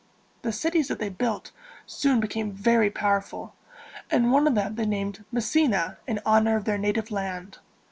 The cities that they built soon became very powerful, and one of them they named Mes si´na in honor of their native land.